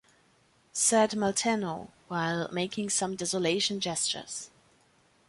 Said Maltenu while making some desolation gestures.